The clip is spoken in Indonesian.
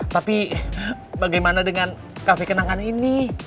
tapi bagaimana dengan kafe kenangan ini